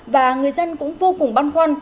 và người dân cũng vô cùng băn khoăn